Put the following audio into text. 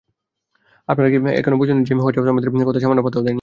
আপনারা কি এখনও বোঝেননি যে হোয়াইট হাউস আমাদের কথায় সামান্য পাত্তাও দেয়নি?